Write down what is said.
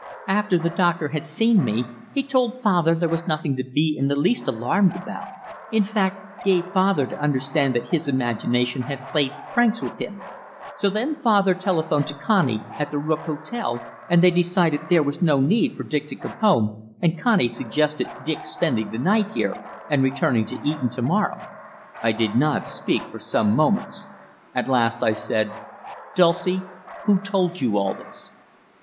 After the doctor had seen me, he told father there was nothing to be in the least alarmed about; in fact gave father to understand that his imagination had played pranks with him; so then father telephoned to Connie at the Book Hotel, and they decided there was no need for Dick to come home, and Connie suggested Dick's spending the night here and returning to Eton to morrow." I did not speak for some moments. At last I said: "Dulcie, who told you all this?"